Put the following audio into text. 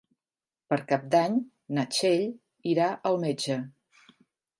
Per Cap d'Any na Txell irà al metge.